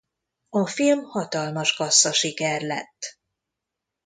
A film hatalmas kasszasiker lett.